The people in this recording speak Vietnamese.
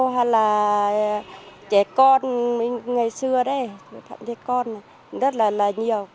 hay là trẻ con ngày xưa đấy trẻ con rất là nhiều